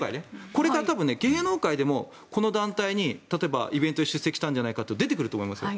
これから、芸能界でもこの団体に例えばイベントに出席したんじゃないかと出てくると思うんですよ。